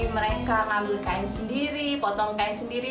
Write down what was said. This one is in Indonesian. mereka ngambil kain sendiri potong kain sendiri